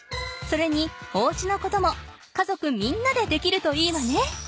それにおうちのことも家族みんなでできるといいわね。